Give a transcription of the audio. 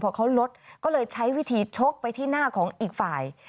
พอเขาลดก็เลยใช้วิธีชกไปที่หน้าของอีกฝ่าย